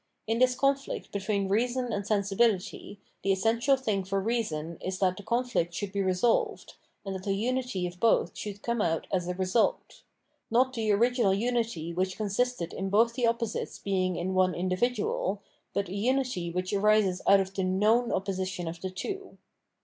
In this conflict between reason and sensibility, the essen tial thing for reason is that the conflict should be re solved, and that the unity of both should come out as a result: not the original unity which consisted in both the opposites being in one individual, but a unity which arises out of the Tmovm opposition of the two.